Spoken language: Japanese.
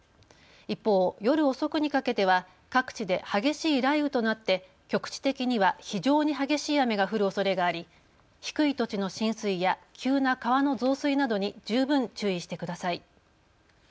一方、夜遅くにかけては各地で激しい雷雨となって局地的には非常に激しい雨が降るおそれがあり低い土地の浸水や急な川の増水などに十分注意してください。